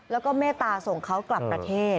แล้วก็เมตตาส่งเขากลับประเทศ